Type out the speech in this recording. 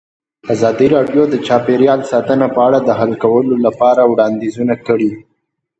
ازادي راډیو د چاپیریال ساتنه په اړه د حل کولو لپاره وړاندیزونه کړي.